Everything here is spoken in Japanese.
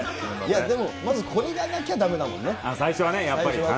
でもまずこれがなきゃだめだもんね。